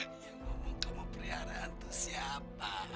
yang ngomong kamu periharaan tuh siapa